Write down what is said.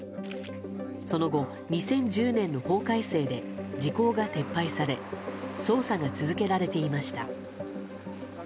その後、２０１０年の法改正で時効が撤廃され捜査が続けられていました。